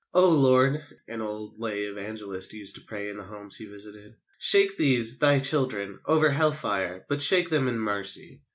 "O, Lord," an old lay evangelist used to pray in the homes he visited, "shake these Thy children over Hell fire, but shake them in marcy!"